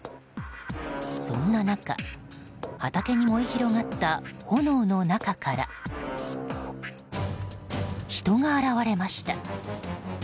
そんな中、畑に燃え広がった炎の中から。人が現れました。